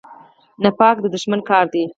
نفاق د دښمن کار دی